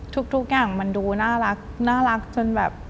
ทุกอย่างมันดูน่ารักจนแบบ